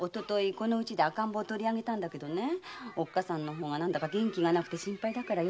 この家で赤ん坊を取り上げたんだけどおっかさんの方が元気がなくて心配だから寄ってみたんだよ。